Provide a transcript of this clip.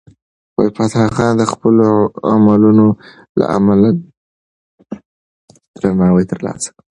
فتح خان د خپلو عملونو له امله درناوی ترلاسه کړ.